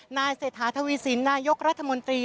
นายเศรษฐาทวีสินนายกรัฐมนตรี